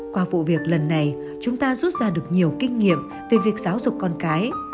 qua vụ việc lần này chúng ta rút ra được nhiều kinh nghiệm về việc giáo dục con cái